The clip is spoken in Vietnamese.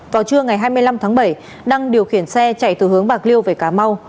vào trưa ngày hai mươi năm tháng bảy đăng điều khiển xe chạy từ hướng bạc liêu về cà mau